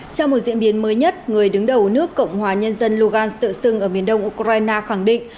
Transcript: trong một diễn biến mới nhất người đứng đầu nước cộng hòa nhân dân logan tự xưng ở miền đông ukraine khẳng định